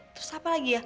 terus apa lagi ya